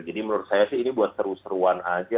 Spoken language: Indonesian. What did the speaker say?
jadi menurut saya sih ini buat seru seruan aja